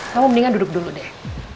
kamu mendingan duduk dulu deh